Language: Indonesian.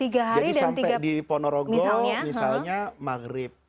jadi sampai di ponorogo misalnya maghrib